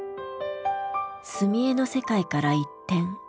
墨絵の世界から一転。